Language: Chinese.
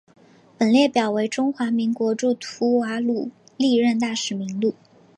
本列表为中华民国驻吐瓦鲁历任大使名录。